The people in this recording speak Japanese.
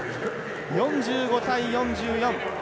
４５対４４。